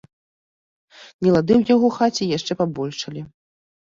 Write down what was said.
Нелады ў яго хаце яшчэ пабольшалі.